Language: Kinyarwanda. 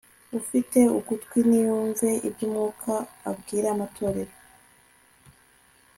ufite ugutwi niyumve iby'umwuka abwira amatorero